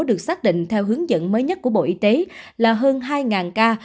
được xác định theo hướng dẫn mới nhất của bộ y tế là hơn hai ca